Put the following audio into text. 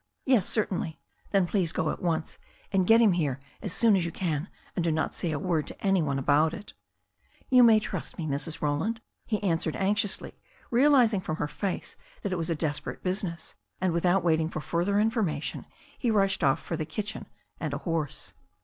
"Yes, certainly." "Then please go at once and get him here as soon as you can, and do not say a word to any one about it" "You may trust me, Mrs. Roland," he answered anxiously, realizing from her face that it was a desperate business, and without waiting for further information he rushed oS for the kitchen and a horse.